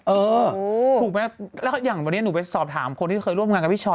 เออถูกไหมแล้วอย่างวันนี้หนูไปสอบถามคนที่เคยร่วมงานกับพี่ชอ